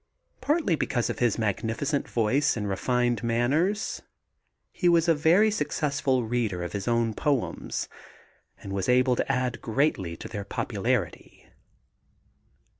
Partly because of his magnificent voice and refined manners, he was a very successful reader of his own poems and was able to add greatly to their popularity.